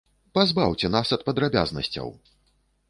Пазбаўце нас ад падрабязнасцяў!